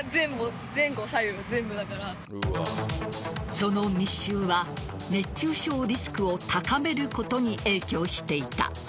その密集は熱中症リスクを高めることに影響していた。